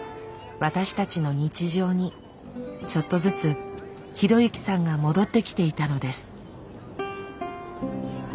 私たちの日常にちょっとずつ啓之さんが戻ってきていたのです。